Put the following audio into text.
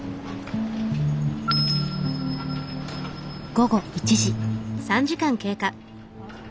午後１時。